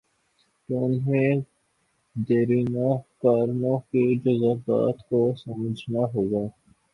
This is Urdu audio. تو انہیں دیرینہ کارکنوں کے جذبات کو سمجھنا ہو گا۔